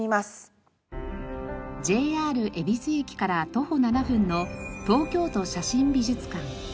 ＪＲ恵比寿駅から徒歩７分の東京都写真美術館。